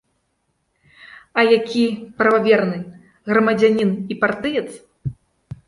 А які прававерны грамадзянін і партыец!